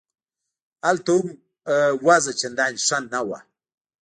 هلته هم وضع چندانې ښه نه وه.